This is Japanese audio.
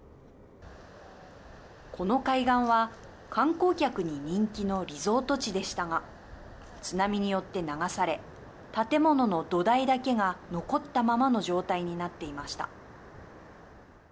この海岸は観光客に人気のリゾート地でしたが津波によって流され建物の土台だけが残ったままの状態になっていました。